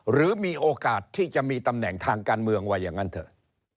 หรือมีโอกาสที่จะมีตำแหน่งทางการเมืองว่าอย่างนั้นเถอะ